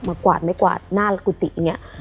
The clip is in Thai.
มากวาดไม่กวาดน่ารักวุธิ